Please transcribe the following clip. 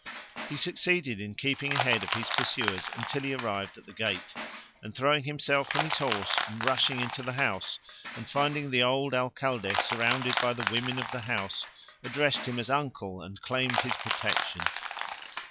He succeeded in keeping ahead of his pursuers until he arrived at the gate, and throwing himself from his horse and rushing into the house, and finding the old Alcalde surrounded by the women of the house, addressed him as uncle and claimed his protection.